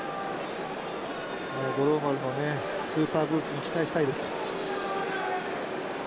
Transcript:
五郎丸のねスーパーブーツに期待したいです。